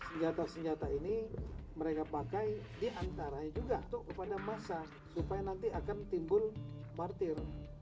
senjata senjata ini mereka pakai diantaranya juga untuk kepada massa supaya nanti akan timbul martir